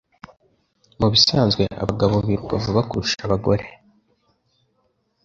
Mubisanzwe abagabo biruka vuba kurusha abagore